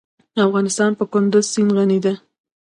افغانستان په کندز سیند غني دی.